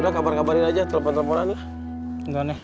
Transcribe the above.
udah kabar kabarin aja telepon telepon aneh oke